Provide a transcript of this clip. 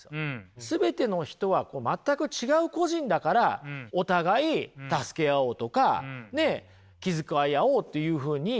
全ての人はこう全く違う個人だからお互い助けあおうとかねきづかいあおうというふうになる。